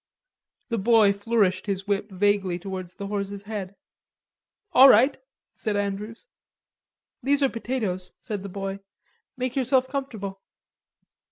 The boy flourished his whip vaguely towards the horse's head. "All right," said Andrews. "These are potatoes," said the boy, "make yourself comfortable.''